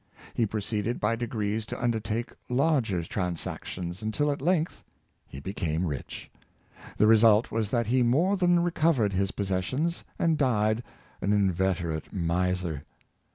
He pro ceeded by degrees to undertake larger transactions, until at length he became rich. The result was that he more than recovered his possessions, and died an inveterate miser.